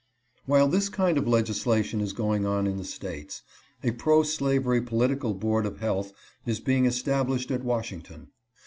" While this kind of legislation is going on in the States, a pro slavery political board of health is being established at "Washington.